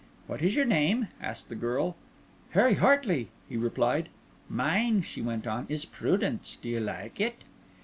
"What is your name?" asked the girl. "Harry Hartley," he replied. "Mine," she went on, "is Prudence. Do you like it?"